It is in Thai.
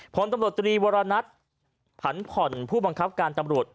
ผลตำรวจตรีวรณัทผันผ่อนผู้บังคับการตำรวจ